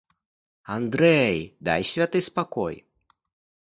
Андрэй, дай святы спакой.